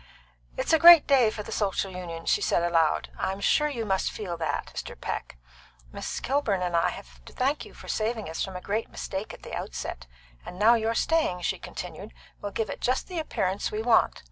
It's a great day for the Social Union!" she said aloud. "I'm sure you must feel that, Mr. Peck. Miss Kilburn and I have to thank you for saving us from a great mistake at the outset, and now your staying," she continued, "will give it just the appearance we want.